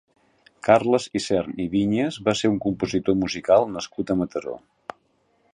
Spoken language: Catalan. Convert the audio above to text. Carles Isern i Vinyas va ser un compositor musical nascut a Mataró.